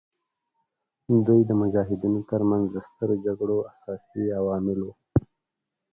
دوی د مجاهدینو تر منځ د سترو جګړو اساسي عوامل وو.